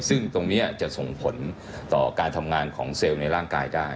ซึ่งตรงนี้จะส่งผลต่อการทำงานของเซลล์ในร่างกายได้